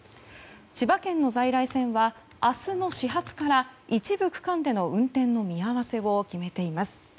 千葉県の在来線は明日の始発から一部区間での運転の見合わせを決めています。